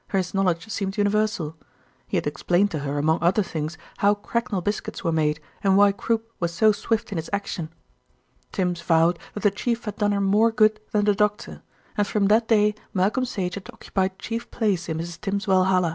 His knowledge seemed universal. He had explained to her among other things how cracknel biscuits were made and why croup was so swift in its action. Tims vowed that the Chief had done her more good than the doctor, and from that day Malcolm Sage had occupied chief place in Mrs. Tims's valhalla.